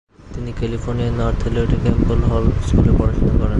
তিনি ক্যালিফোর্নিয়ার নর্থ হলিউডের ক্যাম্পবেল হল স্কুলে পড়াশোনা করেন।